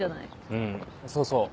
うんそうそう